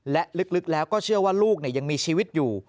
และลึกแล้วก็เชื่อว่าลูกยังมีชีวิตอยู่